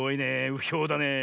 うひょだね。